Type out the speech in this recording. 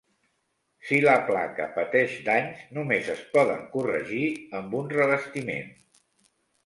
Si la placa pateix danys, només es poden corregir amb un revestiment.